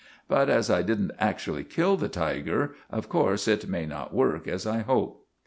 But as I didn't actually kill the tiger, of course it may not work as I hope."